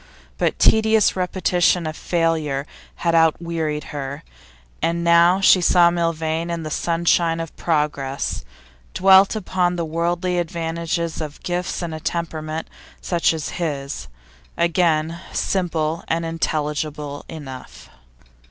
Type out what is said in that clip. But tedious repetition of failure had outwearied her, and now she saw Milvain in the sunshine of progress, dwelt upon the worldly advantages of gifts and a temperament such as his. Again, simple and intelligible enough.